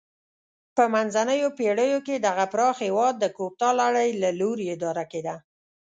په منځنیو پیړیو کې دغه پراخ هېواد د کوپتا لړۍ له لوري اداره کېده.